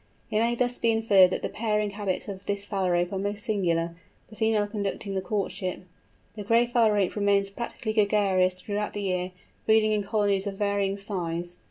It may thus be inferred that the pairing habits of this Phalarope are most singular, the female conducting the courtship! The Gray Phalarope remains practically gregarious throughout the year, breeding in colonies of varying size.